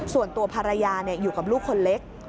ส่วนตัวภรรยาอยู่กับลูกคนเล็ก